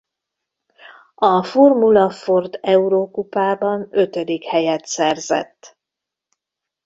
A Formula–Ford Euro–kupában ötödik helyet szerzett.